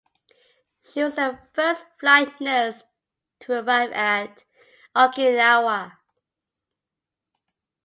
She was the first flight nurse to arrive at Okinawa.